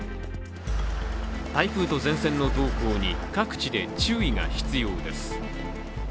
台風と前線の動向に各地で注意が必要です。